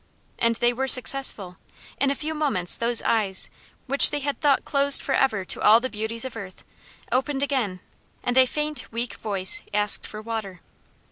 And they were successful. In a few moments those eyes, which they had thought closed forever to all the beauties of earth, opened again, and a faint, weak voice asked for water.